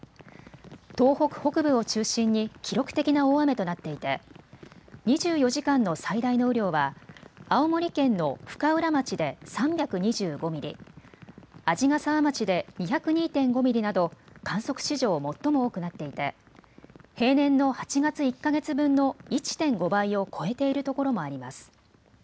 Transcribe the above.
東北北部を中心に記録的な大雨となっていて２４時間の最大の雨量は青森県の深浦町で３２５ミリ、鰺ヶ沢町で２０２．５ミリなど観測史上最も多くなっていて平年の８月１か月分の１．５倍を超えているところもあります。